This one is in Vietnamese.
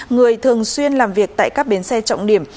người thường xuyên làm việc tại các bến xe trọng điểm